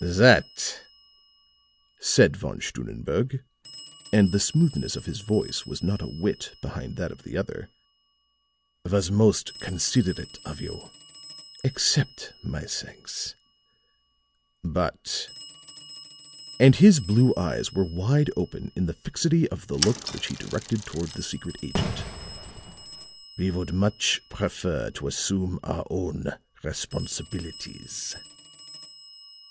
"That," said Von Stunnenberg, and the smoothness of his voice was not a whit behind that of the other, "was most considerate of you. Accept my thanks. But," and his blue eyes were wide open in the fixity of the look which he directed toward the secret agent, "we would much prefer to assume our own responsibilities."